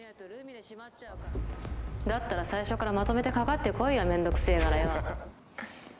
だったら最初からまとめてかかってこいよ面倒くせえからよ。